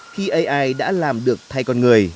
khi ai đã làm được thay con người